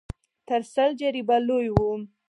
تر سل جريبه لوى و.